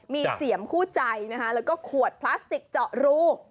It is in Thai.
มีเสียมคู่ใจนะคะแล้วก็ขวดพลาสติกเจาะรู